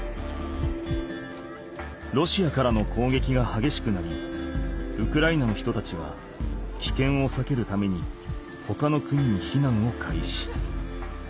ロシアからの攻撃がはげしくなりウクライナの人たちはきけんをさけるためにほかの国に避難を開始。